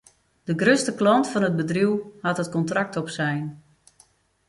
De grutste klant fan it bedriuw hat it kontrakt opsein.